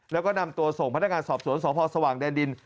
แล้วก็นำตัวส่งพนักงานสอบสวนสพสว่างแดนดิน